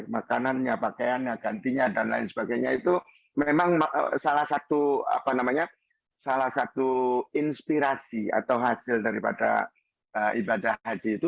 makanannya pakaiannya gantinya dan lain sebagainya itu memang salah satu inspirasi atau hasil daripada ibadah haji itu